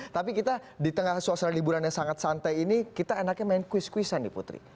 tapi kita di tengah suasana liburan yang sangat santai ini kita enaknya main kuis kuisan nih putri